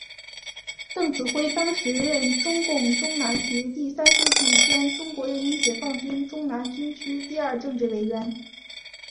邓子恢当时任中共中南局第三书记兼中国人民解放军中南军区第二政治委员。